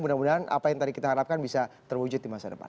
mudah mudahan apa yang tadi kita harapkan bisa terwujud di masa depan